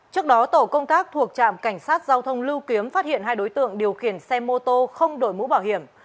trước đó tổ công tác thuộc trạm cảnh sát giao thông lưu kiếm phát hiện hai đối tượng điều khiển xe mô tô không đổi mũ bảo hiểm